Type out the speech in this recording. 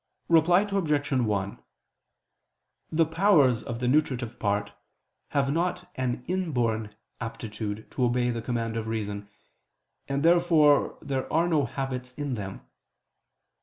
Reply Obj. 1: The powers of the nutritive part have not an inborn aptitude to obey the command of reason, and therefore there are no habits in them.